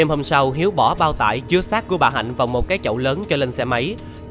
hôm sau hiếu bỏ bao tải chứa sát của bà hạnh vào một cái chậu lớn cho lên xe máy